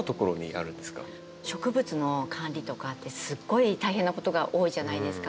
植物の管理とかってすごい大変なことが多いじゃないですか。